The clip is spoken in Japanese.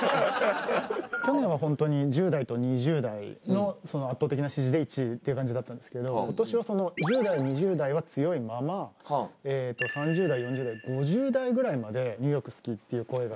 去年は本当に１０代と２０代の圧倒的な支持で１位っていう感じだったんですけど今年は１０代２０代は強いまま３０代４０代５０代ぐらいまで「ニューヨーク好き」っていう声が。